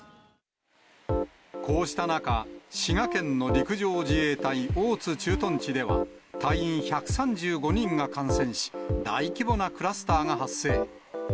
こうした中、滋賀県の陸上自衛隊大津駐屯地では、隊員１３５人が感染し、大規模なクラスターが発生。